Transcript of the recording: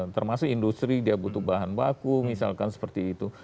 termasuk industri dia butuh bahan baku misalkan seperti itu